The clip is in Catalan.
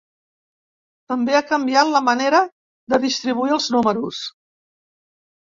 També ha canviat la manera de distribuir els números.